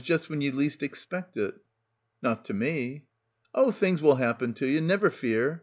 just when ye least expect it." "Not to me." "Oh, things will happen to ye — never fear.